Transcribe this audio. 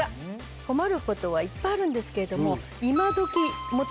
困ることはいっぱいあるんですけれども。